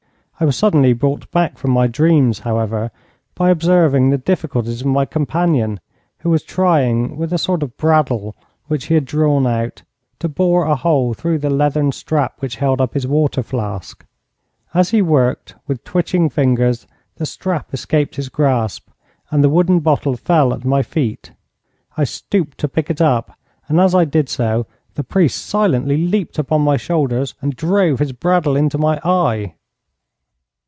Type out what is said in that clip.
I was suddenly brought back from my dreams, however, by observing the difficulties of my companion, who was trying with a sort of brad awl, which he had drawn out, to bore a hole through the leathern strap which held up his water flask. As he worked with twitching fingers the strap escaped his grasp, and the wooden bottle fell at my feet. I stooped to pick it up, and as I did so the priest silently leaped upon my shoulders and drove his brad awl into my eye!